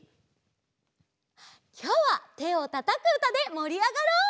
きょうはてをたたくうたでもりあがろう！